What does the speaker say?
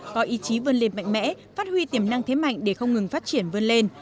có ý chí vươn lên mạnh mẽ phát huy tiềm năng thế mạnh để không ngừng phát triển vươn lên